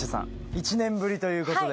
１年ぶりということで。